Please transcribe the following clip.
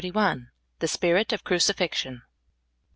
XXXI. THE SPIRIT OF CRUCIFIXION.